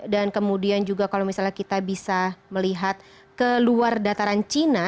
dan kemudian juga kalau misalnya kita bisa melihat ke luar dataran cina